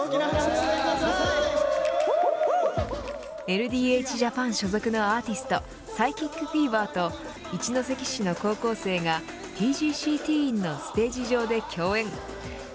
ＬＤＨＪＡＰＡＮ所属のアーティストＰＳＹＣＨＩＣＦＥＶＥＲと一関市の高校生がＴＧＣｔｅｅｎのステージ上で共演。